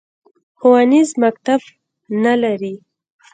ښوونیز مکتب نه لري